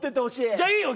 じゃあいいよ。